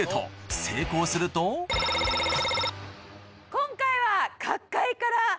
今回は。